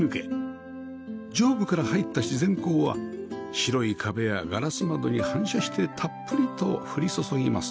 上部から入った自然光は白い壁やガラス窓に反射してたっぷりと降り注ぎます